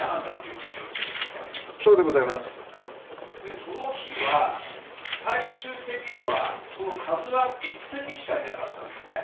なるほど、その日は最終的にはＫＡＺＵＩ１隻しかいなかったわけですね。